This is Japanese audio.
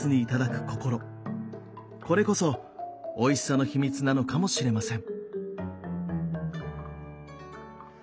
これこそおいしさの秘密なのかもしれません。